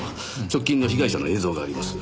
直近の被害者の映像があります。